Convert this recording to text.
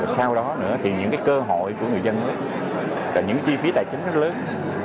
sau đó nữa thì những cơ hội của người dân những chi phí tài chính rất lớn